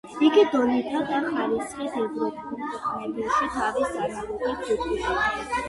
იგი დონით და ხარისხით ევროპულ ქვეყნებში თავის ანალოგებს უტოლდება.